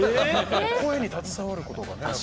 声に携わることがね。